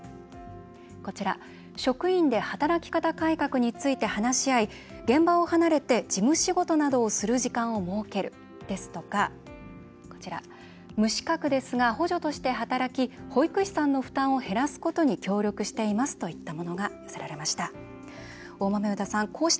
職員で働き方改革について話し合い現場を離れて事務仕事などをする時間を設けるですとか無資格ですが、補助として働き保育士さんの負担を減らすことに協力していますといったものがありました。